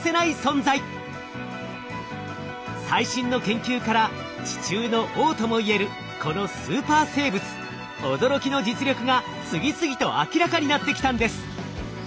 最新の研究から地中の王ともいえるこのスーパー生物驚きの実力が次々と明らかになってきたんです。